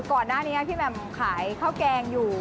ก่อนหน้านี้พี่แหม่มขายข้าวแกงอยู่